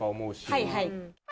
はいはい。